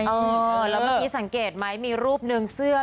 เออแล้วเมื่อกี้สังเกตไหมมีรูปหนึ่งเสื้อ